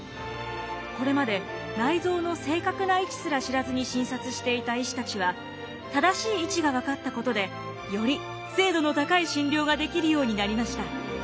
これまで内臓の正確な位置すら知らずに診察していた医師たちは正しい位置が分かったことでより精度の高い診療ができるようになりました。